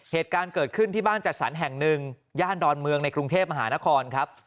เหตุการณ์เกิดขึ้นที่บ้านจัดสรรแห่งหนึ่งย่านดอนเมืองในกรุงเทพมหานครครับ